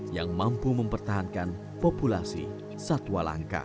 yang mampu mempertahankan populasi satwa langka